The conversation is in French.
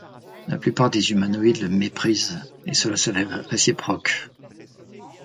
La plupart des humanoïdes le méprisent, et cela s'avère réciproque.